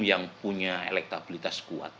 yang punya elektabilitas kuat